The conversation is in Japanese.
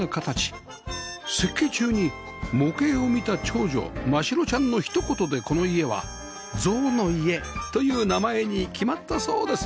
設計中に模型を見た長女真代ちゃんのひと言でこの家は「ぞうのいえ」という名前に決まったそうです